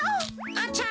あちゃ！